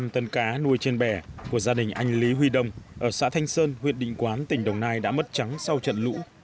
hai trăm linh tấn cá nuôi trên bè của gia đình anh lý huy đông ở xã thanh sơn huyện định quán tỉnh đồng nai đã mất trắng sau trận lũ